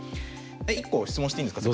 １個質問していいんですか？